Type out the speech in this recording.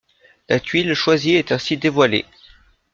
La tuile choisie est ainsi dévoilée.